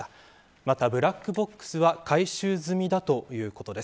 またブラックボックスは回収済みだということです。